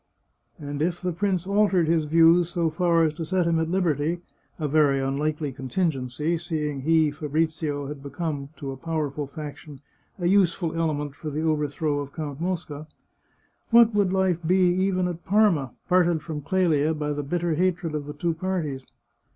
And if the prince altered his views so far as to set him at liberty — a very unlikely con tingency, seeing he, Fabrizio, had become, to a powerful faction, a useful element for the overthrow of Count Mosca — what would life be, even at Parma, parted from Clelia by the bitter hatred of the two parties